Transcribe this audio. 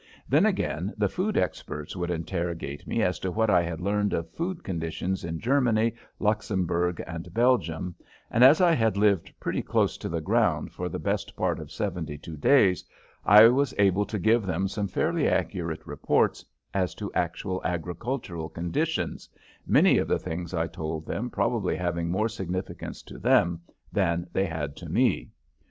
Then, again, the food experts would interrogate me as to what I had learned of food conditions in Germany, Luxembourg, and Belgium, and as I had lived pretty close to the ground for the best part of seventy two days I was able to give them some fairly accurate reports as to actual agricultural conditions, many of the things I told them probably having more significance to them than they had to me.